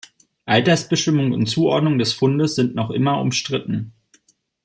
Altersbestimmung und Zuordnung des Fundes sind noch immer umstritten.